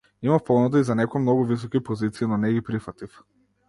Имав понуда и за некои многу високи позиции, но не ги прифатив.